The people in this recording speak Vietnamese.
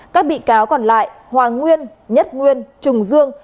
các bị cáo còn lại hoàng nguyên nhất nguyên trùng dương